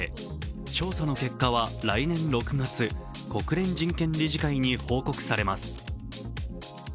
調査の結果は来年６月、国連人権理事会に報告されます。